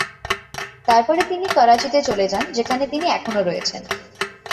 তারপরে তিনি করাচিতে চলে যান, যেখানে তিনি এখনও রয়েছেন।